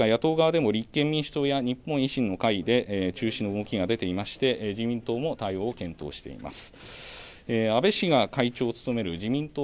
このほか野党側でも立憲民主党や日本維新の会で中止の動きが出ていまして自民党も対応を検討しています。